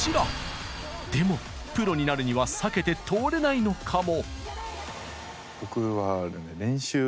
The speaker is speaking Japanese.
でもプロになるには避けて通れないのかも！